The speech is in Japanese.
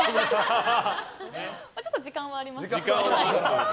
ちょっと時間はあります。